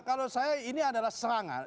kalau saya ini adalah serangan